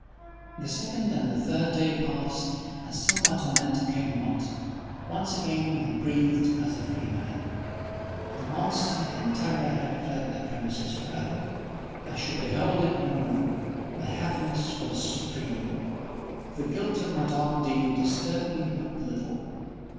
The second and the third day passed, and still my tormentor came not. Once again I breathed as a freeman. The monster, in terror, had fled the premises forever! I should behold it no more! My happiness was supreme! The guilt of my dark deed disturbed me but little.